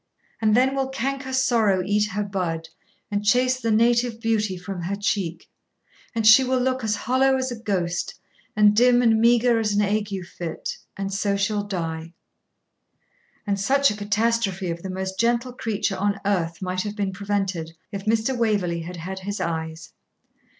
And then will canker sorrow eat her bud, And chase the native beauty from her cheek; And she will look as hollow as a ghost, And dim and meagre as an ague fit, And so she'll die. And such a catastrophe of the most gentle creature on earth might have been prevented if Mr. Edward Waverley had had his eyes!